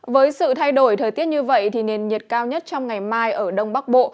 với sự thay đổi thời tiết như vậy thì nền nhiệt cao nhất trong ngày mai ở đông bắc bộ